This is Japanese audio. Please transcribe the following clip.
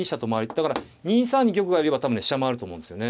だから２三に玉がいれば多分ね飛車回ると思うんですよね。